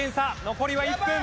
残りは１分。